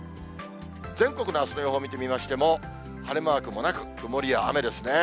全国のあすの予報見てみましても、晴れマークもなく、曇りや雨ですね。